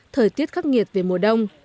thời tiết khắc nghiệt về mùa đông